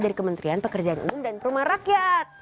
dari kementerian pekerjaan umum dan perumahan rakyat